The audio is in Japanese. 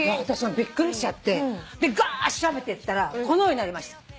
私もびっくりしちゃって調べていったらこのようになりました。